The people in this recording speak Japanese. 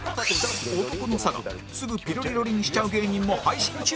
男の性すぐピロリロリンしちゃう芸人も配信中